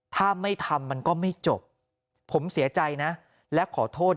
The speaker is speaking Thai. ถ้าไม่ทำมันก็ไม่จบผมเสียใจนะและขอโทษ